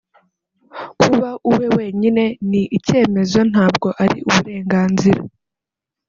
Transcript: kuba uwe wenyine ni icyemezo ntabwo ari uburenganzira